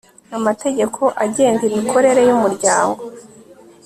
amategeko agenga imikorere y'umuryango